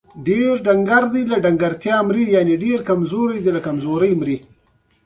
امیر کندهار په خپله پاچاهۍ کې شامل کړ.